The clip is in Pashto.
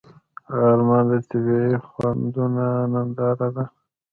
غرمه د طبیعي خوندونو ننداره ده